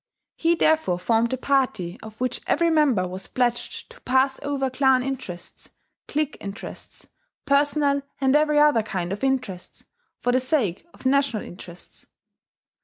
He therefore formed a party of which every member was pledged to pass over clan interests, clique interests, personal and every other kind of interests, for the sake of national interests.